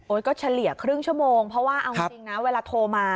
ก็เฉลี่ยครึ่งชั่วโมงเพราะว่าเอาจริงนะเวลาโทรมา